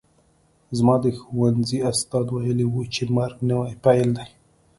زما د ښوونځي استاد ویلي وو چې مرګ نوی پیل دی